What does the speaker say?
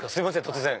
突然。